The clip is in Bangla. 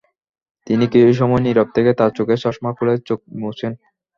তিনি কিছু সময় নীরব থেকে তাঁর চোখের চশমা খুলে চোখ মোছেন।